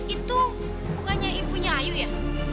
itu bukannya ibunya ayu ya